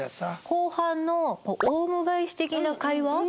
後半のオウム返し的な会話？